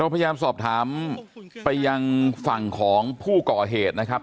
พยายามสอบถามไปยังฝั่งของผู้ก่อเหตุนะครับ